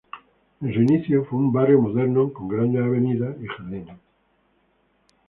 En su inicio fue un barrio moderno, con grandes avenidas y jardines.